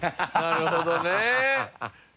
なるほど。